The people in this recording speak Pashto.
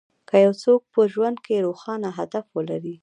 که يو څوک په ژوند کې روښانه هدف ولري.